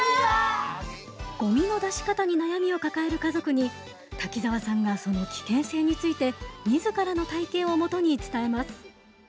ごみの出し方に悩みを抱える家族に滝沢さんがその危険性について自らの体験を基に伝えます。